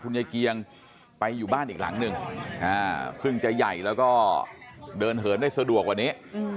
ยายเกียงไปอยู่บ้านอีกหลังหนึ่งซึ่งจะใหญ่แล้วก็เดินเหินได้สะดวกกว่านี้